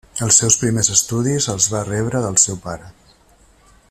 Els seus primers estudis els va rebre del seu pare.